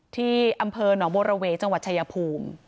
ที่อำเภอหนองบัวระเวจังหวัดชายภูมิ